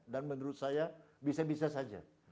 dan menurut saya bisa bisa saja